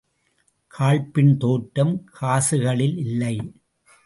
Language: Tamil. காழ்ப்பின் தோற்றம் காசுகளிலில்லை.